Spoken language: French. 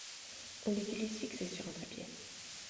On l'utilise fixé sur un trépied.